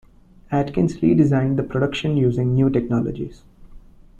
Atkins redesigned the production using new technologies.